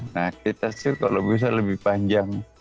nah kita sih kalau bisa lebih panjang